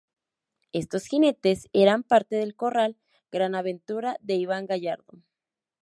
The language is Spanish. Estos jinetes eran parte del corral Gran Aventura de Iván Gallardo.